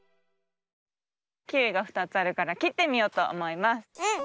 キウイが２つあるからきってみようとおもいます。